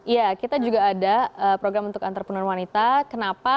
ya kita juga ada program untuk entrepreneur wanita kenapa